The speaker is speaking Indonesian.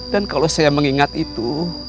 dan kalau saya mengingat itu